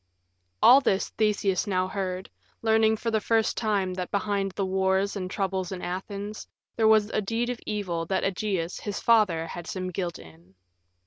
All this Theseus now heard, learning for the first time that behind the wars and troubles in Athens there was a deed of evil that Ægeus, his father, had some guilt in.